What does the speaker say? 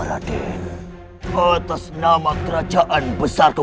atas nama kerajaan besarku